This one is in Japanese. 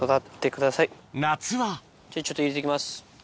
夏はちょっと入れて行きます。